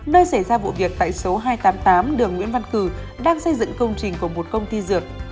nơi xảy ra vụ việc tại số hai trăm tám mươi tám đường nguyễn văn cử đang xây dựng công trình của một công ty dược